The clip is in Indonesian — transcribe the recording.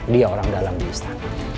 dia orang dalam di istana